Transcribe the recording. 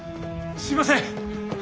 すいません！